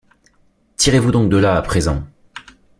Tirez-vous donc de là à présent!